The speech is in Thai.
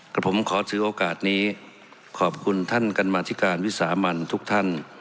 กับผมขอถือโอกาสนี้ขอบคุณท่านกรรมาธิการวิสามันทุกท่าน